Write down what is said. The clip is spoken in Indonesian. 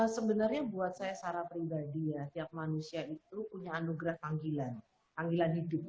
sebenarnya buat saya secara pribadi ya tiap manusia itu punya anugerah panggilan panggilan hidup